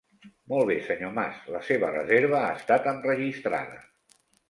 Molt bé senyor Mas, la seva reserva ha estat enregistrada.